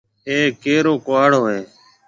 اَي ڪيرو ڪُهاڙو هيَ؟